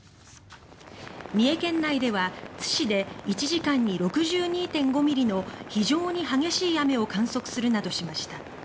三重県内では津市で１時間に６２．５ミリの非常に激しい雨を観測するなどしました。